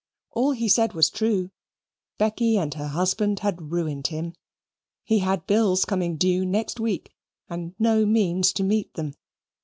All he said was true. Becky and her husband had ruined him. He had bills coming due next week and no means to meet them.